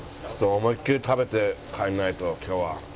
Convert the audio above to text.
思いっきり食べて帰らないと今日は。